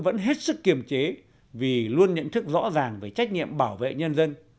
vẫn hết sức kiềm chế vì luôn nhận thức rõ ràng về trách nhiệm bảo vệ nhân dân